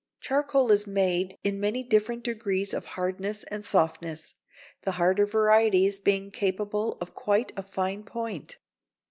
Charcoal is made in many different degrees of hardness and softness, the harder varieties being capable of quite a fine point.